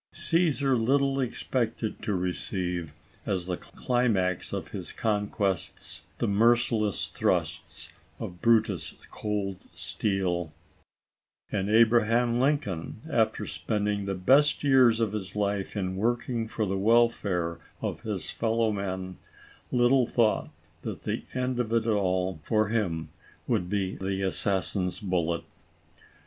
Caesar little expected to receive, as the climax of his conquests, the merciless thrusts of Brutus' cold steel ; and Abraham Lincoln, after spend ing the best years of his life in working for the welfare of his fellow men, little thought that the end of it all, for him, would be the assassin's bullet.